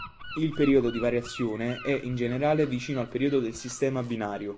Il periodo di variazione è, in generale, vicino al periodo del sistema binario.